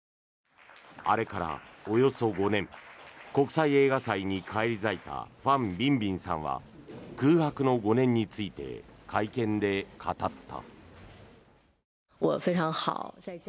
あれからおよそ５年国際映画祭に返り咲いたファン・ビンビンさんは空白の５年について会見で語った。